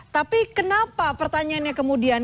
tapi kenapa pertanyaannya kemudian